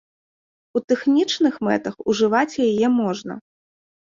У тэхнічных мэтах ужываць яе можна.